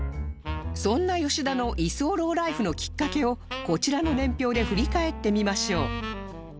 そんな吉田の居候ライフのきっかけをこちらの年表で振り返ってみましょう